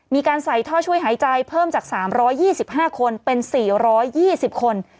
มีการใส่ท่อช่วยหายใจเพิ่มจากสามร้อยยี่สิบห้าคนเป็นสี่ร้อยยี่สิบคน